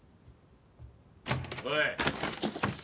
おい。